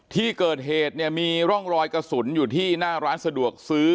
ที่เกิดเหตุเนี่ยมีร่องรอยกระสุนอยู่ที่หน้าร้านสะดวกซื้อ